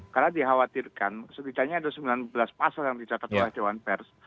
karena dikhawatirkan setidaknya ada sembilan belas pasal yang dicatat oleh dewan pers